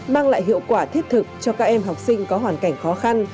mang lại hiệu quả thiết thực cho các em học sinh có hoàn cảnh khó khăn